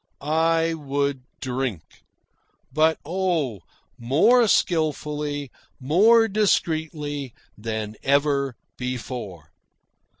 I would drink but oh, more skilfully, more discreetly, than ever before.